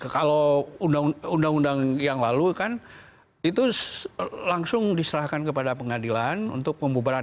kalau undang undang yang lalu kan itu langsung diserahkan kepada pengadilan untuk pembubaran